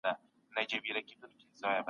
سپورت د ټولنې یووالي نښه ده.